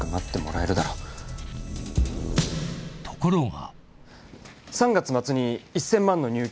ところが！